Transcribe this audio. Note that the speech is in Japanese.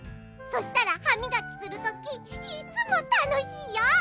そしたらはみがきするときいつもたのしいよ！